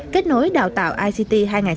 kết nối đào tạo ict hai nghìn một mươi bảy